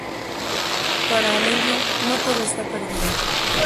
Para Amelio, no todo está perdido.